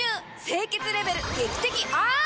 清潔レベル劇的アップ！